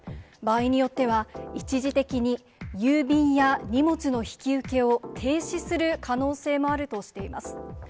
場合によっては、一時的に郵便や荷物の引き受けを停止する可能性もあるとしています。